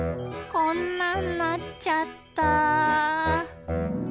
こんなんなっちゃった。